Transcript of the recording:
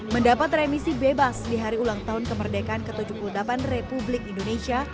mendapat remisi bebas di hari ulang tahun kemerdekaan ke tujuh puluh delapan republik indonesia